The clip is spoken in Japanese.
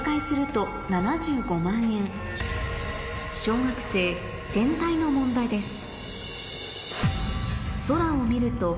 小学生天体の問題です